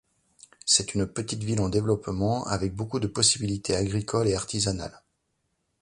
C'est une petite ville en développement avec beaucoup de possibilités agricoles et artisanales.